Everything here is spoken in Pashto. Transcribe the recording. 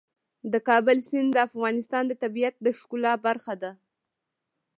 د کابل سیند د افغانستان د طبیعت د ښکلا برخه ده.